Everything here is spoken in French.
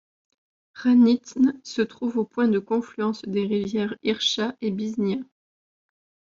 Hranitne se trouve au point de confluence des rivières Ircha et Biznia.